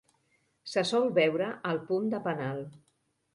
Se sol veure al punt de penal.